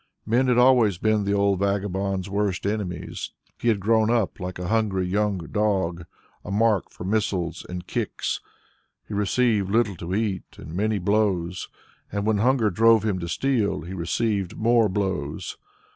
Men had always been the old vagabond's worst enemies. He had grown up like a hungry, young dog, a mark for missiles and kicks. He received little to eat and many blows, and when hunger drove him to steal, he received more blows.